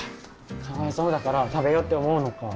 かわいそうだから食べようって思うのか。